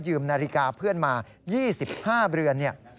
นาฬิกาเพื่อนมา๒๕เรือนเนี่ย